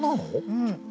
うん。